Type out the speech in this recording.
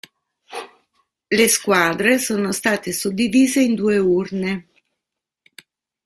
Le squadre sono state suddivise in due urne.